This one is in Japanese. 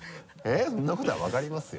そんなことは分かりますよ。